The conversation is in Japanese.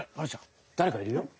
だれかいるよ？